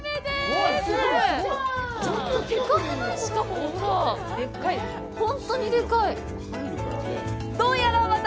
ちょっとでかくない？